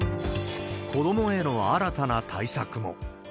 子どもへの新たな対策も。